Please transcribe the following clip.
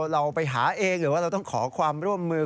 เราไปหาเองหรือว่าเราต้องขอความร่วมมือ